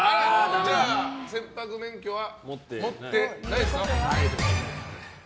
じゃあ船舶免許は持ってないですか？